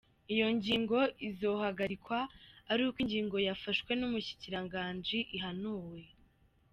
"Iyo ngingo izohagarikwa aruko ingingo yafashwe n'umushikiranganji ihanaguwe.